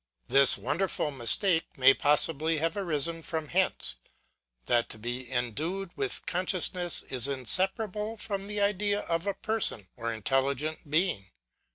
This wonderful mistake may possibly have arisen from hence ; that to be endued with consciousness is in separable from the idea of a person, or intelligent being.